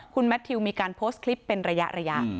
คุณแมททิวมีการโพสต์คลิปเป็นระยะ